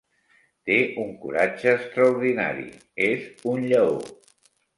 Té un coratge extraordinari: és un lleó.